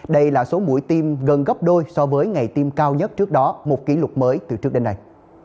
đây là số mũi tiêm gần gấp đôi so với ngày tiêm cao nhất trước đó một kỷ lục mới từ trước đến nay